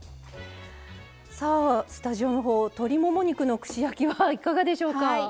さあスタジオのほう鶏もも肉の串焼きはいかがでしょうか？